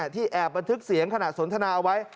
ที่แอบบันทึกเสียงขณะสนทนาเอาไว้